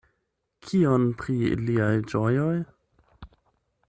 Kion pri iliaj ĝojoj?